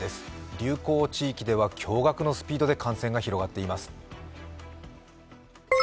流行している地域では驚がくのスピードで感染が広がっています。